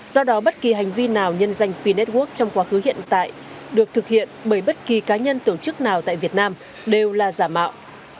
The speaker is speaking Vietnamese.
do đó bất kỳ hành vi nào nhân danh p network trong quá khứ hiện tại được thực hiện bởi bất kỳ cá nhân tổ chức nào tại việt nam đều là giả mạo